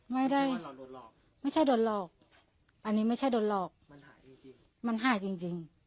ไม่ได้ไม่ใช่โดนหลอกอันนี้ไม่ใช่โดนหลอกมันหายจริง